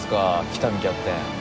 喜多見キャプテン。